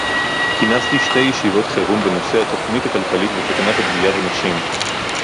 כינסתי שתי ישיבות חירום בנושא התוכנית הכלכלית וסכנת הפגיעה בנשים